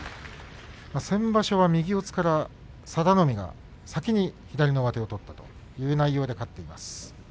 先場所は右四つから佐田の海が先に左の上手を取ったという内容で勝っています。